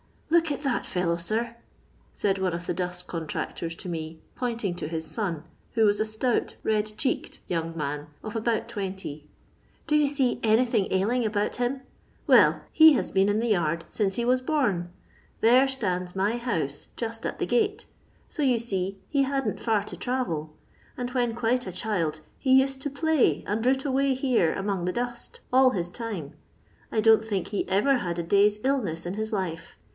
"Look at that fellow, sir 1" said one of the dust contracton to me, pointing to his son, who was a stout red cheeked young man of about twenty. " Do you see anything ailing about him ? Well, he has been in the yard since he was bom. There stands my house just at the gate, so you see he hadn't far to travel, and when quite a child he used to play and root away here among the dust all bis time. I don't think he ever had a day's illness in his life.